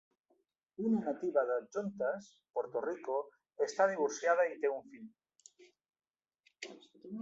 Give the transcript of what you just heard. Una nativa d'Adjuntas, Puerto Rico, està divorciada i té un fill.